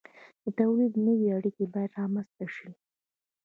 د تولید نوې اړیکې باید رامنځته شي.